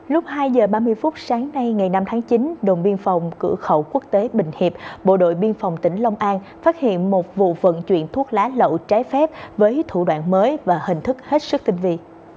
lúc hai h ba mươi phút sáng nay ngày năm tháng chín đồn biên phòng cửa khẩu quốc tế bình hiệp bộ đội biên phòng tỉnh long an phát hiện một vụ vận chuyển thuốc lá lậu trái phép với thủ đoạn mới và hình thức hết sức tinh vị